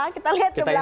kita lihat ke belakang